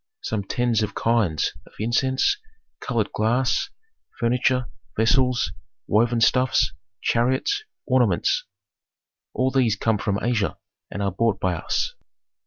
Some tens of kinds of incense, colored glass, furniture, vessels, woven stuffs, chariots, ornaments, all these come from Asia and are bought by us.